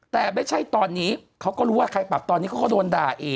แต่ไม่ใช่ตอนนี้เขาก็รู้ว่าใครปรับตอนนี้เขาก็โดนด่าอีก